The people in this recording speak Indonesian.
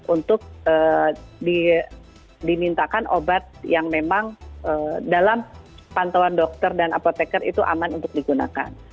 untuk dimintakan obat yang memang dalam pantauan dokter dan apoteker itu aman untuk digunakan